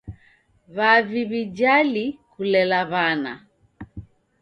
W'avi w'ijali kulela w'ana.